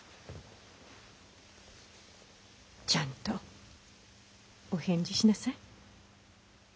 ちゃんとお返事しなさい。